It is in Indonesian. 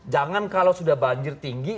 jangan kalau sudah banjir tinggi